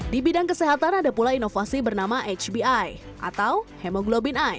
di bidang kesehatan ada pula inovasi bernama hbi atau hemoglobin eye